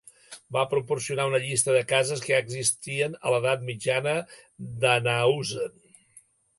Va proporcionar una llista de cases que ja existien a l'edat mitjana a Anhauze.